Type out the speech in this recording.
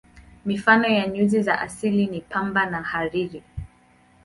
Mifano ya nyuzi za asili ni pamba na hariri.